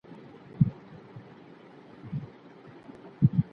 ولي مدام هڅاند د وړ کس په پرتله لوړ مقام نیسي؟